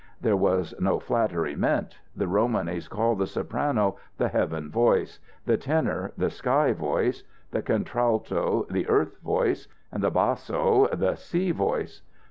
There was no flattery meant. The Romanys call the soprano "the heaven voice," the tenor "the sky voice," the contralto "the earth voice," and the basso "the sea voice."